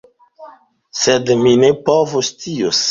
Sed mi ne povoscios.